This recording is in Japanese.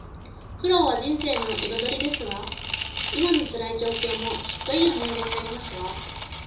苦労は人生の彩りですわ。今の辛い状況も、きっといい思い出になりますわ